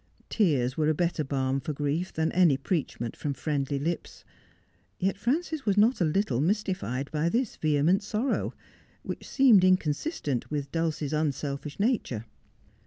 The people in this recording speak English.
Tears were a better balm for grief than any preachment from friendly In Tangley Wood. 217 lips. Yet Frances was not a little mystified by this vehement sorrow, which seemed inconsistent with Dulcie's unselfish nature.